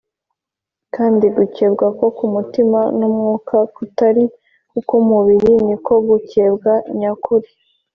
kandi gukebwa ko mu mutima n’umwuka kutari uk’umubiri ni ko gukebwa nyakuri.